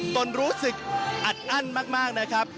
ตนรู้สึกอัดอั้นมากนะครับ